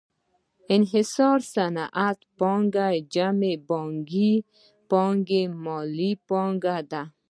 انحصاري صنعتي پانګه جمع بانکي پانګه مالي پانګه ده